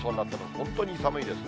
本当に寒いですね。